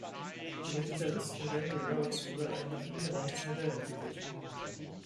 Für den Gitarristen Randy Rhoads wurde ein nach ihm benanntes Modell entwickelt.